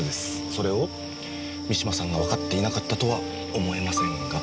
それを三島さんがわかっていなかったとは思えませんが。